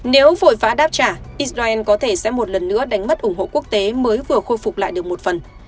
nếu vội vã đáp trả israel có thể sẽ một lần nữa đánh mất ủng hộ quốc tế mới vừa khôi phục lại được một phần